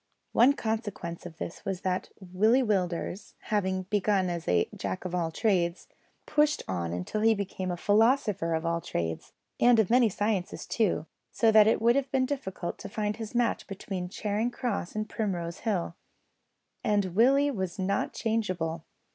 One consequence of this was that Willie Willders, having begun as a Jack of all trades, pushed on until he became a philosopher of all trades, and of many sciences too, so that it would have been difficult to find his match between Charing Cross and Primrose Hill. And Willie was not changeable.